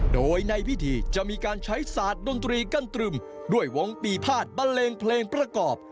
โดยในพิธีจะมีการใช้ศาสตร์ดนตรีกันตรึมด้วยวงปีภาษบันเลงเพลงประกอบ